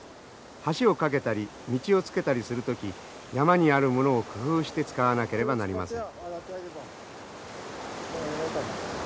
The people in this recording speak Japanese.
橋を架けたり道をつけたりする時山にあるものを工夫して使わなければなりません。